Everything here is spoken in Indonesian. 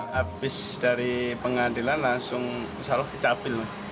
habis dari pengadilan langsung insya allah dicapil